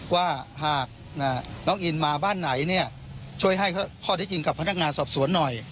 ว่าหากน้องอินมาบ้านไหนเนี่ยช่วยให้ข้อที่จริงกับพนักงานสอบสวนหน่อย